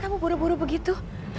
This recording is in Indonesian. kamu buru buru begitu